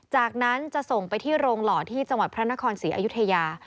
จากนั้นจะส่งไปที่โรงหล่อที่จังหวัดพระนครศรีอยุธยา